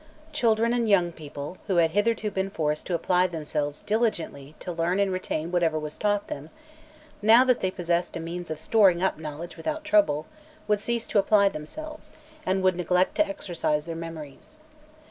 Children and young people, who had hitherto been forced to apply themselves diligently to learn and retain whatever was taught them, now that they possessed a means of storing up knowledge without trouble, would cease to apply themselves, and would neglect to exercise their memories.